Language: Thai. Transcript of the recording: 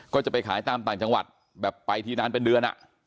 ก็จะไปขายตามต่างจังหวัดแบบไปทีนานเป็นเดือน